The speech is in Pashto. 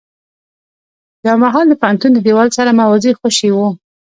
يو مهال د پوهنتون د دېوال سره موازي خوشې و.